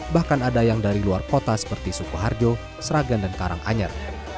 bahkan ada yang dari luar kota seperti sukoharjo seragan dan karanganyar